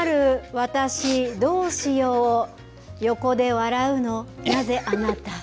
私、どうしよう、横で笑うのなぜあなた。